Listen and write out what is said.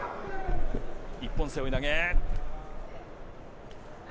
一本背負い投げ。